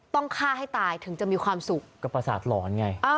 ต้องฆ่าให้ตายถึงจะมีความสุขก็ประสาทหลอนไง